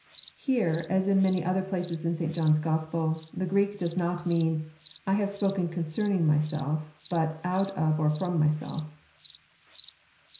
Here, as in many other places in St. John's Gospel, the Greek does not mean, *' I have not spoken concerning myself, but out of or from myself."